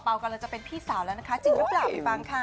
เป่ากำลังจะเป็นพี่สาวแล้วนะคะจริงรึเปล่าพี่ฟังคะ